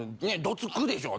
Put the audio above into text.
どつくでしょ？